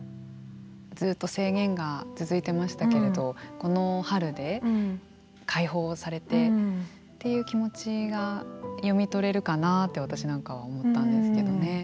ずっと制限が続いてましたけれどこの春で解放されてっていう気持ちが読み取れるかなって私なんかは思ったんですけどね。